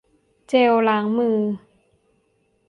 เจลล้างมือ